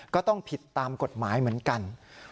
ก็ต้องผิดตามกฎหมายเหมือนกัน